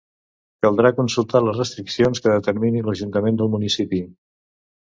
Caldrà consultar les restriccions que determini l'ajuntament del municipi.